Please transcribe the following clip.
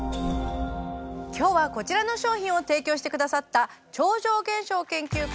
今日はこちらの商品を提供してくださった超常現象研究家